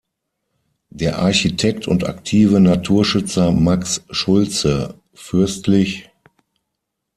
Der Architekt und aktive Naturschützer Max Schultze, Fürstl.